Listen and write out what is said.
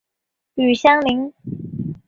与相邻。